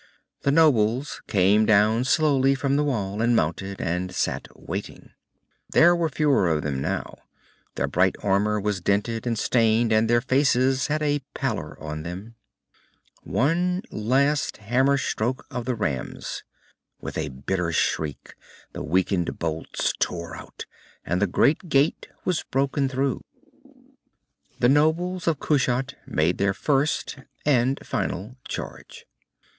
The nobles came down slowly from the Wall and mounted, and sat waiting. There were fewer of them now. Their bright armor was dented and stained, and their faces had a pallor on them. One last hammer stroke of the rams. With a bitter shriek the weakened bolts tore out, and the great gate was broken through. The nobles of Kushat made their first, and final charge.